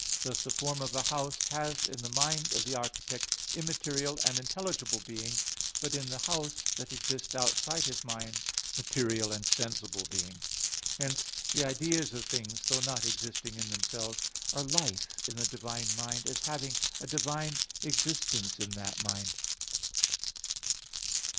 Thus the form of a house has in the mind of the architect immaterial and intelligible being; but in the house that exists outside his mind, material and sensible being. Hence the ideas of things, though not existing in themselves, are life in the divine mind, as having a divine existence in that mind.